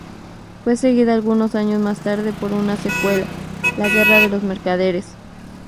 Fue seguida algunos años más tarde por una secuela: "La guerra de los mercaderes".